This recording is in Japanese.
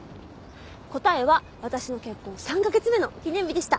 答えは私の結婚３カ月目の記念日でした。